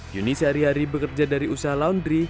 yuni sehari hari bekerja dari usaha laundry